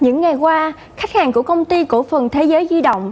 nhưng cổ phần thế giới duy động